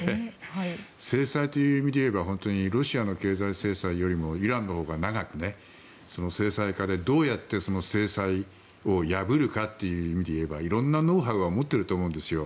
制裁という意味で言えばロシアの経済制裁よりもイランのほうが長く、制裁下でどうやって制裁を破るかという意味で言えば色んなノウハウは持っていると思うんですよ。